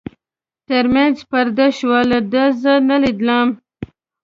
تر منځ پرده شول، ده زه نه لیدم.